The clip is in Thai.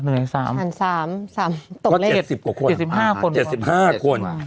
หัน๓ตกละเมื่อ๗๕คน